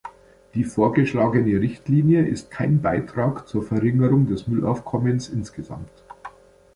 Die vorgeschlagene Richtlinie ist kein Beitrag zur Verringerung des Müllaufkommens insgesamt.